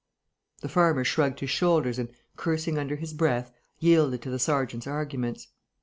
The farmer shrugged his shoulders and, cursing under his breath, yielded to the sergeant's arguments.